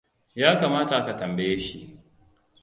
Ya kamata ka tambaye shi.